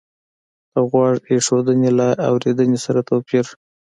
د غوږ ایښودنې له اورېدنې سره توپیر